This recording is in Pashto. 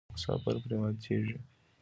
مسافر پرې ماتیږي.